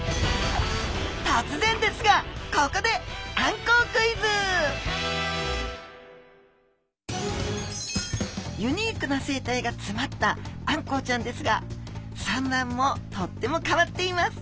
とつぜんですがここでユニークな生態がつまったあんこうちゃんですが産卵もとっても変わっています。